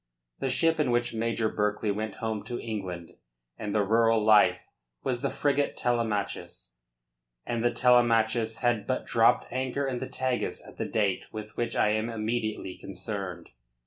The ship in which Major Berkeley went home to England and the rural life was the frigate Telemachus, and the Telemachus had but dropped anchor in the Tagus at the date with which I am immediately concerned.